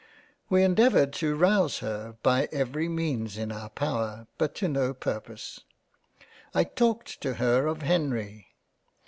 We endeavoured to rouse her by every means in our power, but to no purpose. I talked to her of Henry.